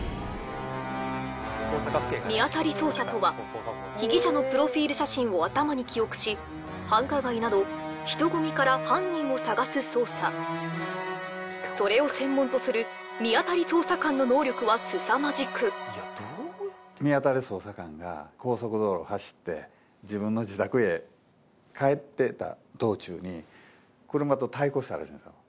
見当たり捜査とは被疑者のプロフィール写真を頭に記憶し繁華街など人混みから犯人を捜す捜査それを専門とする見当たり捜査官の能力はすさまじく見当たり捜査官が高速道路を走って自分の自宅へ帰ってた道中に車と対向したらしいんですよ